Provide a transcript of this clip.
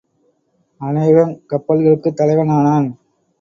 அநேகங் கப்பல்களுக்குத் தலைவனானான்.